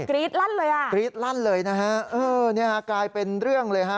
รี๊ดลั่นเลยอ่ะกรี๊ดลั่นเลยนะฮะเออเนี่ยฮะกลายเป็นเรื่องเลยฮะ